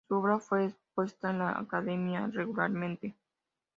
Su obra fue expuesta en la academia regularmente.